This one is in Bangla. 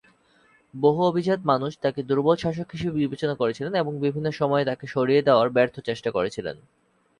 বহু অভিজাত মানুষ তাঁকে দুর্বল শাসক হিসাবে বিবেচনা করেছিলেন, এবং বিভিন্ন সময়ে তাঁকে সরিয়ে দেওয়ার ব্যর্থ চেষ্টা করেছিলেন।